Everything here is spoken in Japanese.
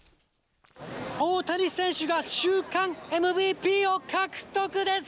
大谷選手が週間ＭＶＰを獲得です。